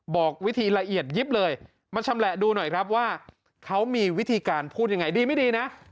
บอกวิธีละเอียดยิบเลยมาชำแหละดูหน่อยครับว่าเขามีวิธีการพูดยังไงดีไม่ดีนะ